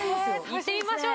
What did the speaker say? いってみましょう。